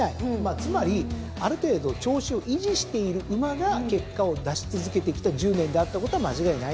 つまりある程度調子を維持している馬が結果を出し続けてきた１０年であったことは間違いないんです。